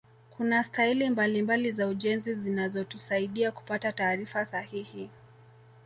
kuna staili mbalimbali za ujenzi zinazotusaaida kupata taarifa sahihi